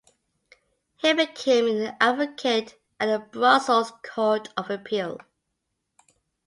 He became an advocate at the Brussels Court of Appeal.